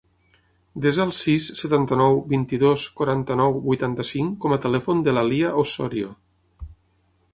Desa el sis, setanta-nou, vint-i-dos, quaranta-nou, vuitanta-cinc com a telèfon de l'Alia Ossorio.